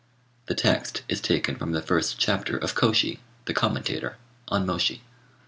] The text is taken from the first chapter of Kôshi (the commentator), on Môshi.